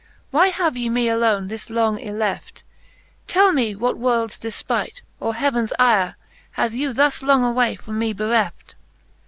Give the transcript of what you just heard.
Why have ye me alone thus long yleft ? Tell me what worlds defpight, or heavens yre Hath you thus long away from me bereft